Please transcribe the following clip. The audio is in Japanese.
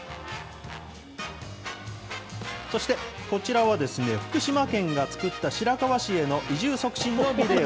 そして、福島県が作った白河市への移住促進のビデオ。